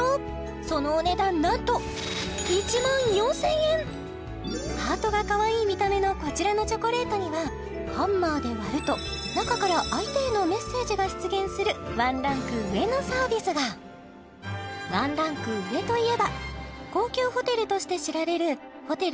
そのお値段なんとハートがかわいい見た目のこちらのチョコレートにはハンマーで割ると中から相手へのメッセージが出現するワンランク上のサービスがワンランク上といえば高級ホテルとして知られるホテル